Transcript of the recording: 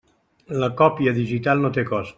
La còpia digital no té cost.